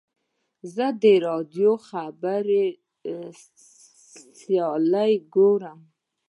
زه د راډیو د خبرو سیالۍ ګورم.